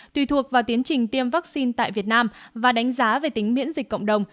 hai nghìn hai mươi hai tùy thuộc vào tiến trình tiêm vaccine tại việt nam và đánh giá về tính miễn dịch cộng đồng